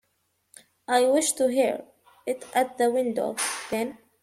I wish to hear it at the window, then.